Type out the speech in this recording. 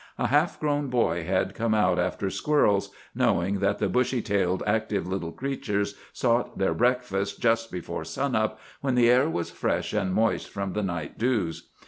A half grown boy had come out after squirrels, knowing that the bushy tailed, active little creatures sought their breakfast just before sunup, when the air was fresh and moist from the night dews.